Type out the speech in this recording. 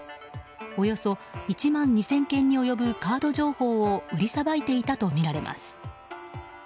およそ１万２０００件に及ぶカード情報を売りさばいていたとみられます。